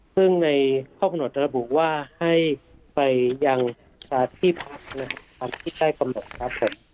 ซึ่งในข้อกำหนดระบุว่าให้ไปยังสถานที่พักในที่ได้กำหนดครับ